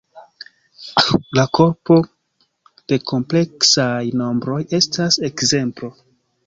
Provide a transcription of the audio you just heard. La korpo de kompleksaj nombroj estas ekzemplo.